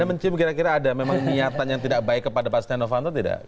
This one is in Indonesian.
mencoba kira kira ada niatan yang tidak baik kepada pak stenovanto tidak